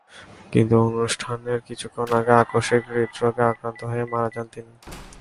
কিন্তু অনুষ্ঠানের কিছুক্ষণ আগে আকস্মিক হৃদ্রোগে আক্রান্ত হয়ে মারা যান তিনি।